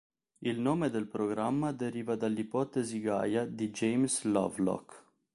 Il nome del programma deriva dall'ipotesi Gaia di James Lovelock.